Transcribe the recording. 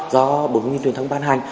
do bộ thông tin và truyền thông ban hành